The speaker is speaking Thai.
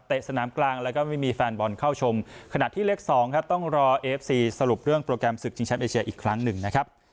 สนามกลางแล้วก็ไม่มีแฟนบอลเข้าชมขณะที่เลขสองครับต้องรอเอฟซีสรุปเรื่องโปรแกรมศึกชิงแชมป์เอเชียอีกครั้งหนึ่งนะครับ